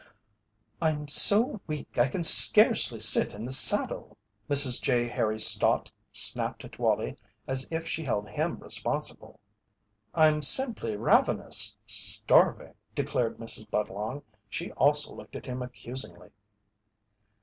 "I'm so weak I can scarcely sit in the saddle!" Mrs. J. Harry Stott snapped at Wallie as if she held him responsible. "I'm simply ravenous starving!" declared Mrs. Budlong. She also looked at him accusingly.